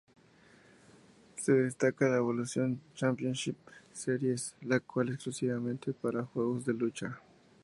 Se destaca la Evolution Championship Series, la cual es exclusivamente para juegos de lucha.